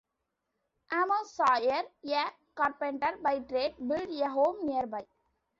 Amos Sawyer, a carpenter by trade, built a home nearby.